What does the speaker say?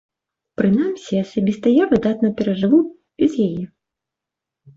Прынамсі, асабіста я выдатна пражыву без яе.